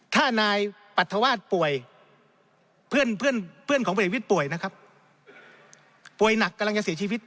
ถ้านายปรัฐวาสป่วยเพื่อนเพื่อนของพลเอกวิทย์ป่วยนะครับป่วยหนักกำลังจะเสียชีวิต